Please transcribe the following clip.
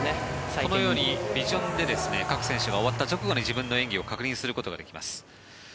このようにビジョンで各選手は自分の演技を確認することができます。